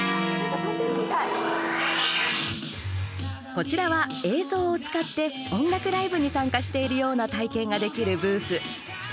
こちらは映像を使って音楽ライブに参加しているような体験ができるブース。